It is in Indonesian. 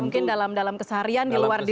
mungkin dalam keseharian di luar